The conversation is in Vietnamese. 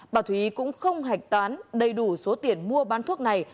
bà thúy cũng không hạch toán đầy đủ số tiền mua bán thuốc này